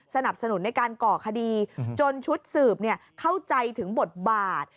สนับสนุนในการก่อคดีจนชุดสืบเข้าใจถึงบทบาท